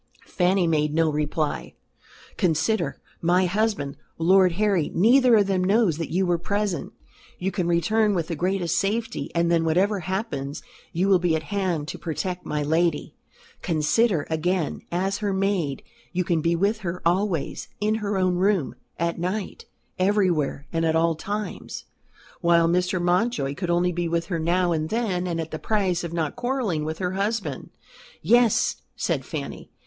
Fanny made no reply. "Consider my husband Lord Harry neither of them knows that you were present. You can return with the greatest safety; and then whatever happens, you will be at hand to protect my lady. Consider, again, as her maid, you can be with her always in her own room; at night; everywhere and at all times; while Mr. Mountjoy could only be with her now and then, and at the price of not quarrelling with her husband." "Yes," said Fanny.